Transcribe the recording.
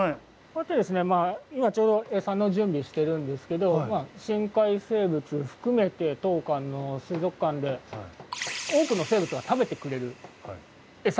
こうやってですね今ちょうど餌の準備してるんですけど深海生物含めて当館の水族館で多くの生物が食べてくれる餌があるんですね。